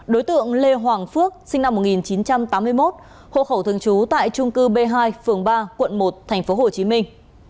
đối tượng lê hoàng phước sinh năm một nghìn chín trăm tám mươi một hộ khẩu thường trú tại trung cư b hai phường ba quận một tp hcm